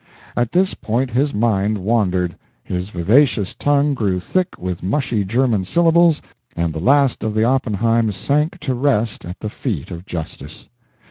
At this point his mind wandered, his vivacious tongue grew thick with mushy German syllables, and the last of the Oppenheims sank to rest at the feet of justice.